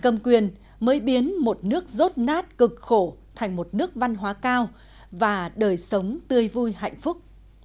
mới biến một nước rốt nát cực khổ thành một nước văn hóa cao và đời sống tươi vui hạnh phúc